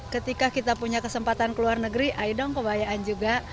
ketika kita punya kesempatan ke luar negeri ayo dong kebayaan juga